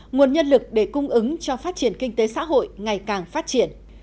nguồn nhân lực để cung ứng cho phát triển kinh tế xã hội ngày càng phát triển